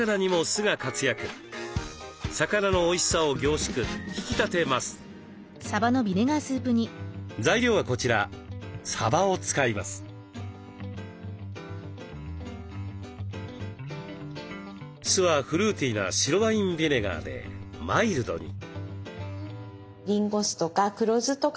酢はフルーティーな白ワインビネガーでマイルドに。